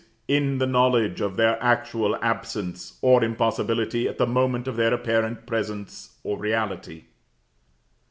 in the knowledge of their actual absence or impossibility at the moment of their apparent presence or reality.